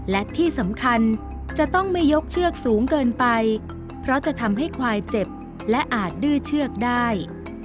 และที่สำคัญจะต้องไม่ยกเชือกสูงเกินไปเพราะจะทำให้ควายเจ็บและอาจดื้อเชือกได้